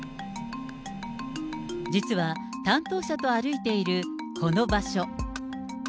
実は、担当者と歩いているこの場所。